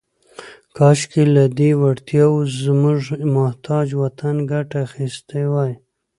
« کاشکې، لهٔ دې وړتیاوو زموږ محتاج وطن ګټه اخیستې وای. »